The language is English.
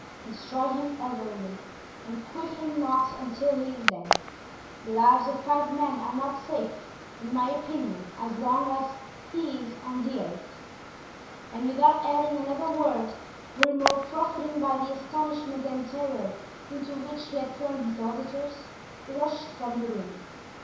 destroy him utterly and quit him not until he is dead; the lives of five men are not safe, in my opinion, as long as he is on the earth." And without adding another word, Grimaud, profiting by the astonishment and terror into which he had thrown his auditors, rushed from the room.